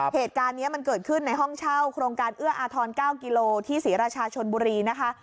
เหตุการณ์นี้มันเกิดขึ้นในห้องเช่าโครงการเอื้ออาทร๙กิโลที่ศรีราชาชนบุรีนะคะ